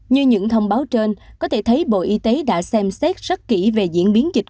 như những thông báo trên có thể thấy bộ y tế đã xem xét rất kỹ về diễn biến dịch